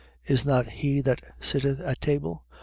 Is not he that sitteth at table?